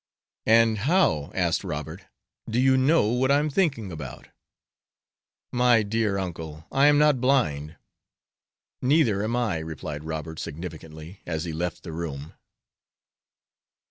"And how," asked Robert, "do you know what I am thinking about?" "My dear uncle, I'm not blind." "Neither am I," replied Robert, significantly, as he left the room.